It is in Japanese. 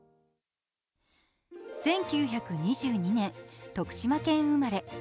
１９２２年、徳島県生まれ。